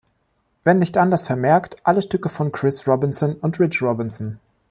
Wenn nicht anders vermerkt, alle Stücke von Chris Robinson und Rich Robinson.